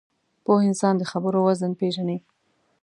پوه انسان د خبرو وزن پېژني